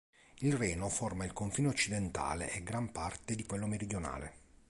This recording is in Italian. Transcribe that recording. Il Reno forma il confine occidentale e gran parte di quello meridionale.